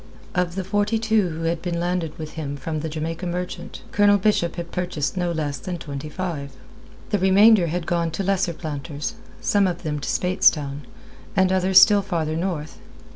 Of the forty two who had been landed with him from the Jamaica Merchant, Colonel Bishop had purchased no less than twenty five. The remainder had gone to lesser planters, some of them to Speightstown, and others still farther north.